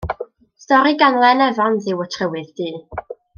Stori gan Len Evans yw Y Trywydd Du.